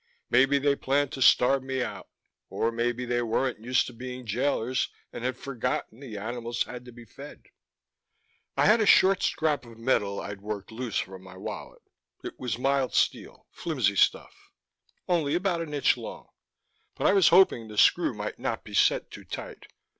Maybe they planned to starve me out; or maybe they weren't used to being jailers and had forgotten the animals had to be fed. I had a short scrap of metal I'd worked loose from my wallet. It was mild steel, flimsy stuff, only about an inch long, but I was hoping the screw might not be set too tight.